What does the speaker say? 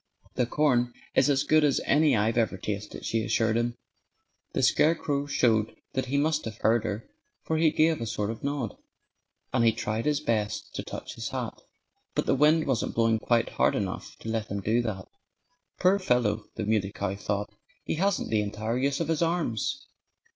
"The corn is as good as any I've ever tasted," she assured him. The scarecrow showed that he must have heard her, for he gave a sort of nod. And he tried his best to touch his hat. But the wind wasn't blowing quite hard enough to let him do that. "Poor fellow!" the Muley Cow thought. "He hasn't the entire use of his arms."